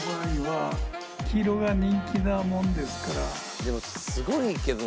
でもすごいけどな